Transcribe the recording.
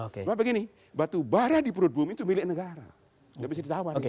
sebenarnya begini batu barah di perut bumi itu milik negara